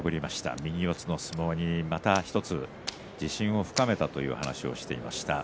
右四つの相撲に１つまた自信を深めたという話をしていた大翔鵬。